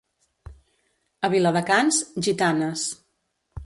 A Viladecans, gitanes.